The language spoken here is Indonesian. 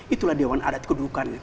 itulah dewan adat kedudukan